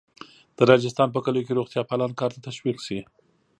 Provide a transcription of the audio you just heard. د راجستان په کلیو کې روغتیاپالان کار ته تشویق شي.